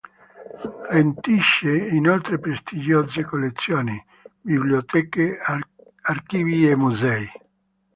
Gestisce inoltre prestigiose collezioni, biblioteche, archivi e musei.